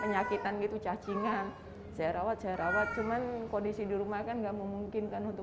penyakitan gitu cacingan saya rawat saya rawat cuman kondisi di rumah kan nggak memungkinkan untuk